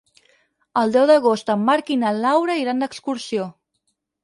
El deu d'agost en Marc i na Laura iran d'excursió.